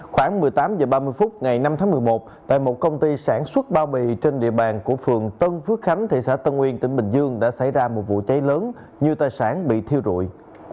khoảng một mươi tám h ba mươi phút ngày năm tháng một mươi một tại một công ty sản xuất bao bì trên địa bàn của phường tân phước khánh thị xã tân nguyên tỉnh bình dương đã xảy ra một vụ cháy lớn nhiều tài sản bị thiêu rụi